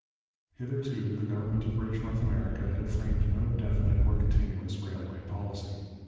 Hitherto the government of British North America had framed no definite or continuous railway policy.